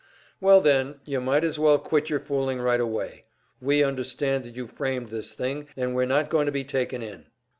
"Well then, you might as well quit your fooling right away. We understand that you framed this thing up, and we're not going to be taken in."